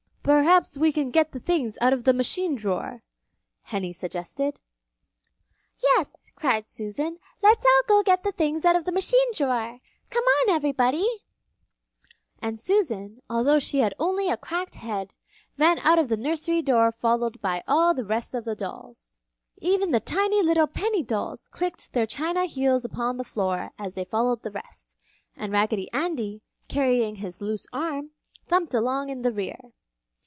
"Perhaps we can get the things out of the machine drawer!" Henny suggested. "Yes," cried Susan, "let's all go get the things out of the machine drawer! Come on, everybody!" And Susan, although she had only a cracked head, ran out the nursery door followed by all the rest of the dolls. Even the tiny little penny dolls clicked their china heels upon the floor as they followed the rest, and Raggedy Andy, carrying his loose arm, thumped along in the rear.